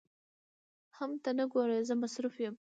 حم ته نه ګورې زه مصروف يم.